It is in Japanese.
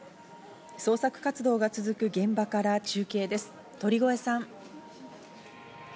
捜索活動が続く現場から中継です、鳥越さん。